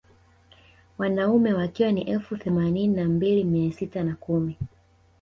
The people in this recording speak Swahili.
Wanaume wakiwa ni elfu themanini na mbili mia sita na kumi